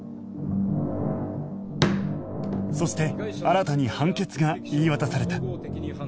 そして新に判決が言い渡された